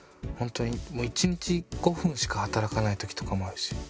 ほんとにもう１日５分しか働かないときとかもあるし。